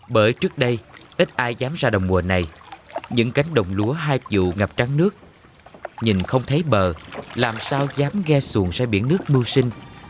bởi trước đây ít ai dám ra đầu mùa này những cánh đồng lúa hai dụ ngập trắng nước nhìn không thấy bờ làm sao dám ghe xuồng ra biển nước mưu sinh